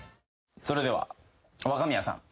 それでは若宮さん。